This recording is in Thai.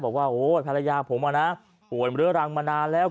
บอกว่าโอ้ยภรรยาผมอะนะโอ้ยมันเรื้อรังมานานแล้ว